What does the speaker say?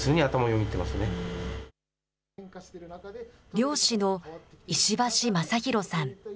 漁師の石橋正裕さん。